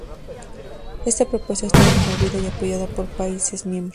Esta propuesta estuvo promovida y apoyado por países miembros.